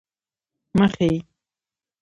مخې،